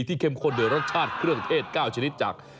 เข้มข้นโดยรสชาติเครื่องเทศ๙ชนิดจาก